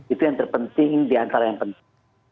itu yang terpenting di antara yang penting